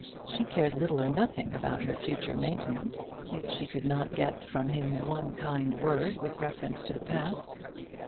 She cared little or nothing about her future maintenance, if she could not get from him one kind word with reference to the past.